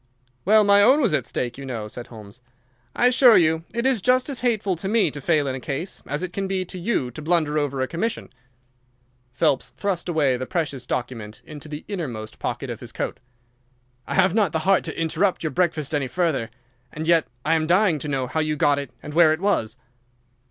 "Well, my own was at stake, you know," said Holmes. "I assure you it is just as hateful to me to fail in a case as it can be to you to blunder over a commission." Phelps thrust away the precious document into the innermost pocket of his coat. "I have not the heart to interrupt your breakfast any further, and yet I am dying to know how you got it and where it was."